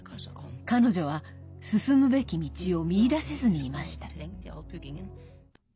彼女は進むべき道を見いだせずにいました。